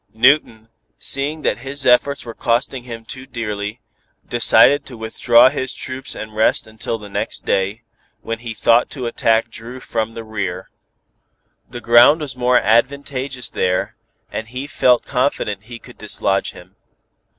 Newton, seeing that his efforts were costing him too dearly, decided to withdraw his troops and rest until the next day, when he thought to attack Dru from the rear. The ground was more advantageous there, and he felt confident he could dislodge him.